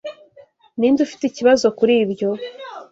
Ninde ufite ikibazo kuri ibyo?